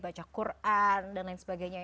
baca quran dan lain sebagainya